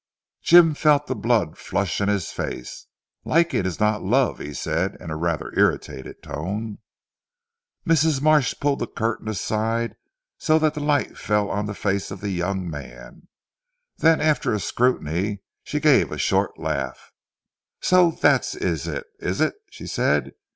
Jim felt the blood flush in his face. "Liking is not love," he said in a rather irritated tone. Mrs. Marsh pulled the curtains aside so that the light fell on the face of the young man. Then after a scrutiny she gave a short laugh. "So that is it, is it?" she said.